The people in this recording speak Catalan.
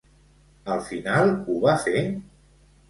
Al final ho va fer?